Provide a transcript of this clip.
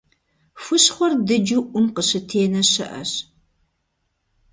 Хущхъуэр дыджу Ӏум къыщытенэ щыӏэщ.